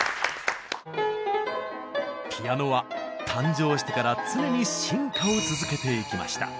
ピアノは誕生してから常に進化を続けていきました。